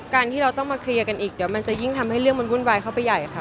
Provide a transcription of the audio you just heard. การที่เราต้องมาเคลียร์กันอีกเดี๋ยวมันจะยิ่งทำให้เรื่องมันวุ่นวายเข้าไปใหญ่ค่ะ